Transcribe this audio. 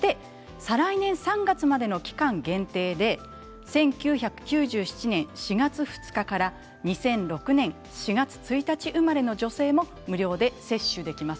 再来年３月までの期間限定で１９９７年４月２日から２００６年４月１日生まれの女性も無料で接種できます。